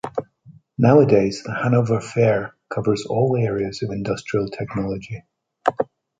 Nowadays, the Hanover Fair covers all areas of industrial technology.